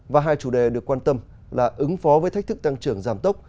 và hai chủ đề được quan tâm là ứng phó với thách thức tăng trưởng giảm tốc